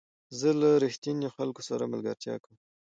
زه له رښتینو خلکو سره ملګرتیا کوم.